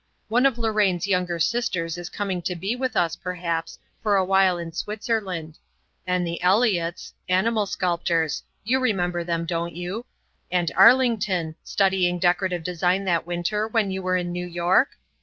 One of Lorraine's younger sisters is coming to be with us, perhaps, for a while in Switzerland and the Elliots animal sculptors. You remember them, don't you, and Arlington studying decorative design that winter when you were in New York?